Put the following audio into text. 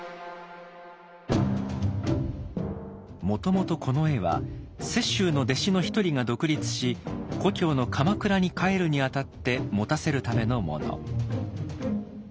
もともとこの絵は雪舟の弟子の一人が独立し故郷の鎌倉に帰るにあたって持たせるためのもの。